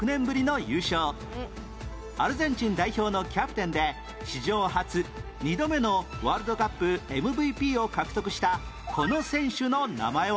アルゼンチン代表のキャプテンで史上初２度目のワールドカップ ＭＶＰ を獲得したこの選手の名前は？